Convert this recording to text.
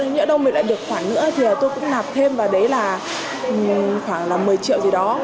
nhớ đâu mình lại được khoản nữa thì tôi cũng nạp thêm và đấy là khoảng một mươi triệu gì đó